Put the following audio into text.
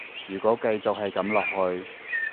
如果繼續係噉落去